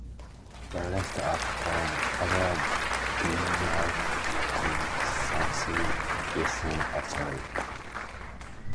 The rest are from other vineyards in South Eastern Australia.